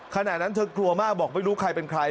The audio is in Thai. ขณะนั้นเธอกลัวมากบอกไม่รู้ใครเป็นใคร